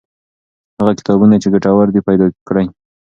هغه کتابونه چې ګټور دي پیدا کړئ.